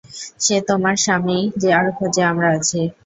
সে তোমার স্বামীই যার খুঁজে আমরা আছি।